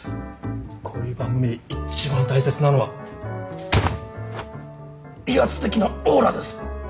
こういう番組で一番大切なのは威圧的なオーラです。